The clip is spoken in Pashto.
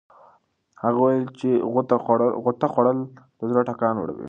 هغه وویل چې غوطه خوړل د زړه ټکان لوړوي.